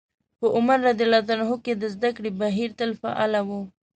په عمر رض کې د زدکړې بهير تل فعال و.